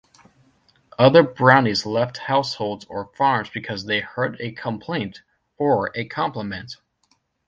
Other brownies left households or farms because they heard a complaint, or a compliment.